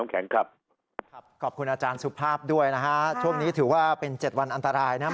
ขอบคุณอาจารย์สุภาพด้วยนะฮะช่วงนี้ถือว่าเป็น๗วันอันตรายนะครับ